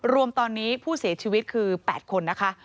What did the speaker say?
รวมตอนนี้ผู้เสียชีวิตคือ๘คนนะคะ